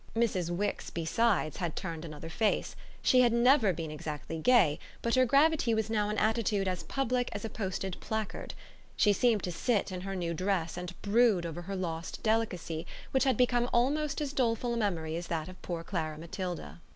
Mrs. Wix, besides, had turned another face: she had never been exactly gay, but her gravity was now an attitude as public as a posted placard. She seemed to sit in her new dress and brood over her lost delicacy, which had become almost as doleful a memory as that of poor Clara Matilda.